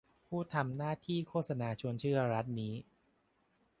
ผู้ทำหน้าที่โฆษณาชวนเชื่อรัฐนี้